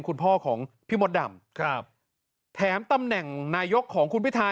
คุณพ่อของพี่มดดำครับแถมตำแหน่งนายกของคุณพิทา